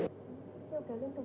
thì có thể gian lận được